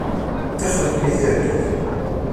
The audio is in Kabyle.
Tixeṛ-ikem i targit.